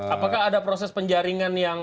apakah ada proses penjaringan yang